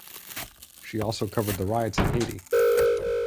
She also covered the riots in Haiti.